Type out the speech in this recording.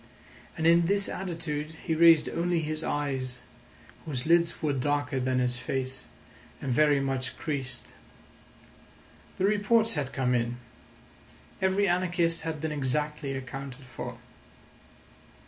And in this attitude he raised only his eyes, whose lids were darker than his face and very much creased. The reports had come in: every anarchist had been exactly accounted for.